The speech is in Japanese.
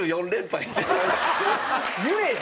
言えよ！